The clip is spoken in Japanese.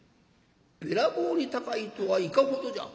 「べらぼうに高いとはいかほどじゃ」。